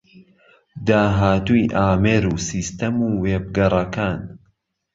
داهاتووی ئامێر و سیستەم و وێبگەڕەکان